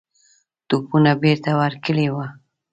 توپونه بیرته ورکړي وه.